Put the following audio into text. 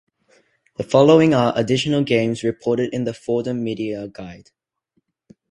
The following are additional games reported in the Fordham media guide.